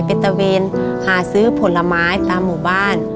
ตะเวนหาซื้อผลไม้ตามหมู่บ้าน